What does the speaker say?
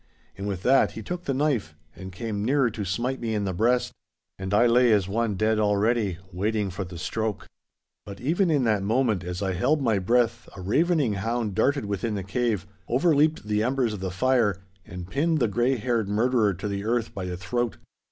And with that he took the knife and came nearer to smite me in the breast, and I lay as one dead already, waiting for the stroke. But even in that moment as I held my breath a ravening hound darted within the cave, overleaped the embers of the fire, and pinned the grey haired murderer to the earth by the throat.